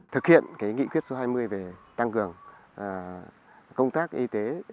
thực hiện nghị quyết số hai mươi về tăng cường công tác y tế